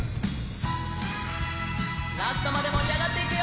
ラストまでもりあがっていくよ！